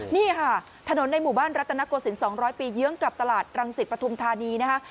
นี่ค่ะถนนในหมู่บ้านรัตนโกศิลป๒๐๐ปีเยื้องกับตลาดรังสิตปฐุมธานีนะคะ